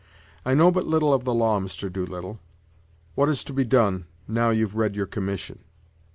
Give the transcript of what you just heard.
I know but little of the law, Mr. Doolittle; what is to be done, now you've read your commission?"